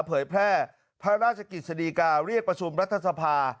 เผยแพร่พระราชกิจศาฒิกาเพย์เรียกประสงค์รัฐทราชภา